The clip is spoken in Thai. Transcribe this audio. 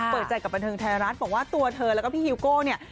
เปิดใจกับบันเทิงไทยรัฐบอกว่าตัวเธอแล้วก็พี่ฮิวโก้เนี่ย